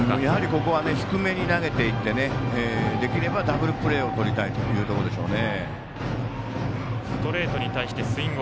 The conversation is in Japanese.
ここは低めに投げていってできればダブルプレーをとりたいというところでしょうね。